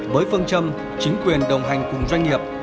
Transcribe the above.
với phương châm chính quyền đồng hành cùng doanh nghiệp